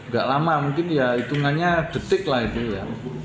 gak lama mungkin ya hitungannya detik lah itu ya